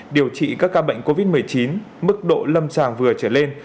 điều trị các ca bệnh covid một mươi chín mức độ lâm sàng vừa trở lên